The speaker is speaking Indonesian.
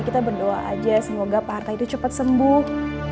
kita berdoa aja semoga pak arta itu cepet sembuh